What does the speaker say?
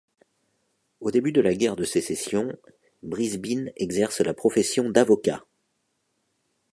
Au début de la guerre de Sécession, Brisbin exerce la profession d’avocat.